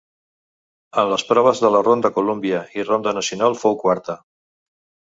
En les proves de la ronda Columbia i ronda Nacional fou quarta.